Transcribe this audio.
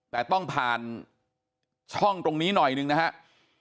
แต่ต้องผ่านช่องตรงนี้หน่อยหนึ่งนะครับ